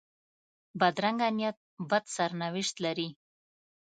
بدرنګه نیت بد سرنوشت لري